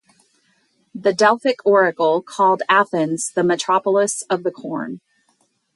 "The Delphic oracle called Athens "the Metropolis of the Corn."